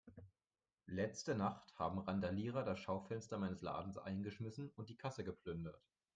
Letzte Nacht haben Randalierer das Schaufenster meines Ladens eingeschmissen und die Kasse geplündert.